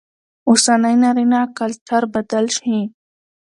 اوسنى نارينه کلچر بدل شي